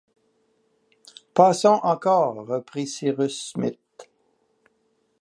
Passons encore, reprit Cyrus Smith.